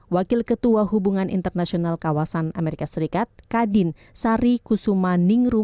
wakil ketua hubungan internasional kawasan amerika serikat kadin sari kusuma ningru